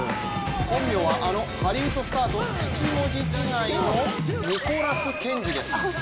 本名はあのハリウッドスターと１文字違いのニコラス・ケンジです。